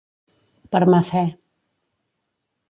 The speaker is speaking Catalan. Per ma fe.